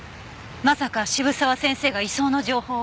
まさか渋沢先生が移送の情報を。